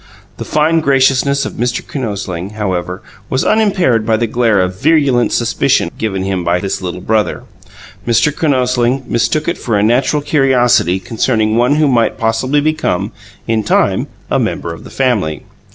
The fine graciousness of Mr. Kinosling, however, was unimpaired by the glare of virulent suspicion given him by this little brother: Mr. Kinosling mistook it for a natural curiosity concerning one who might possibly become, in time, a member of the family.